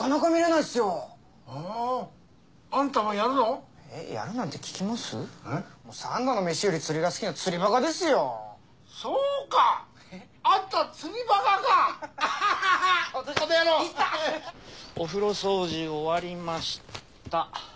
いたっ！お風呂掃除終わりました。